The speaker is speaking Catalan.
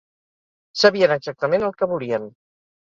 Sabien exactament el que volien.